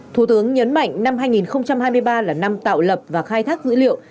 thủ tướng nhấn mạnh năm hai nghìn hai mươi ba là năm tạo lập và khai thác dữ liệu